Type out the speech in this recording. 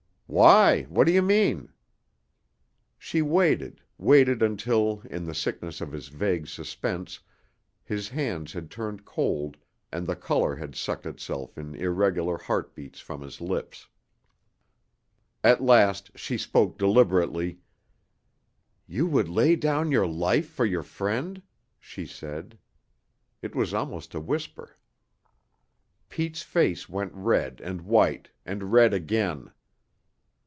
"Why? What do you mean?" She waited, waited until, in the sickness of his vague suspense, his hands had turned cold and the color had sucked itself in irregular heartbeats from his lips. At last she spoke deliberately. "You would lay down your life for your friend?" she said. It was almost a whisper. Pete's face went red and white and red again.